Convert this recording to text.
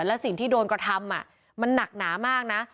และสิ่งที่โดนกระทำมันหนักหนามากนะ